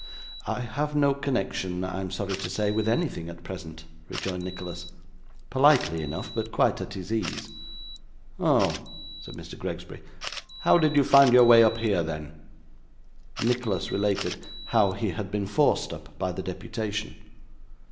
'I have no connection, I am sorry to say, with anything at present,' rejoined Nicholas, politely enough, but quite at his ease. 'Oh!' said Mr. Gregsbury. 'How did you find your way up here, then?' Nicholas related how he had been forced up by the deputation.